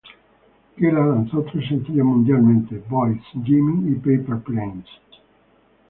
Kala lanzó tres sencillos mundialmente: "Boyz", "Jimmy" y "Paper Planes".